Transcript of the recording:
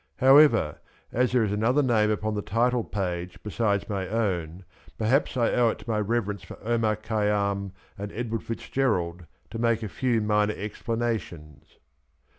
However y as there is another name upon the title page besides my own^ perhaps I owe it to my reverence for Omar Khayyam and Edward FitzGerald to make a few minor explanations.